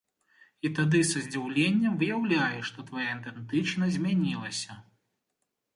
І тады са здзіўленнем выяўляеш, што твая ідэнтычнасць змянілася.